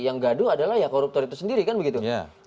yang gaduh adalah ya koruptor itu sendiri kan begitu